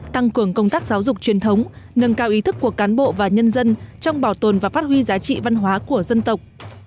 tăng cường công tác giáo dục truyền thống nâng cao ý thức của cán bộ và nhân dân trong bảo tồn và phát huy giá trị văn hóa của dân tộc